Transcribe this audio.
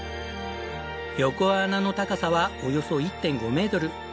横穴の高さはおよそ１．５メートル。